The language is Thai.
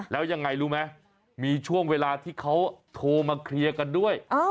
แล้วยังไงรู้ไหมมีช่วงเวลาที่เขาโทรมาเคลียร์กันด้วย